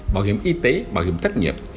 bảo hiểm y tế bảo hiểm tất nghiệp